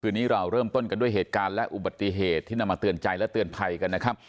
นี้เราเริ่มต้นกันด้วยเหตุการณ์และอุบัติเหตุที่นำมาเตือนใจและเตือนภัยกันนะครับ